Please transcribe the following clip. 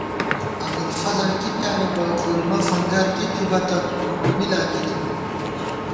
ابُوالفضل کی پیانِبہ ،گُلمہ فنگر کی تھِتہ تہ کُوٹُومی لا کی تھِبہ